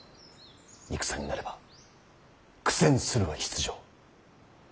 戦になれば苦戦するは必定。